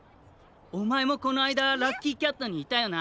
おまえもこのあいだラッキーキャットにいたよな。